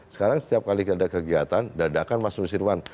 sekarang setiap kali ada kegiatan dadakan mas nusirwan